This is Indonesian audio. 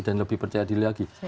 dan lebih percaya diri lagi